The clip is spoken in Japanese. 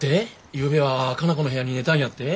ゆうべは佳奈子の部屋に寝たんやって？